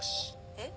「えっ？